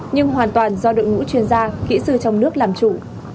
nhưng hoàn toàn do đội ngũ chuyên gia kỹ sư trong nước làm chủ